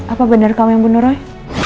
apa benar kamu yang bunuh roy